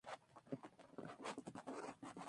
Ambos eligieron ser calificados.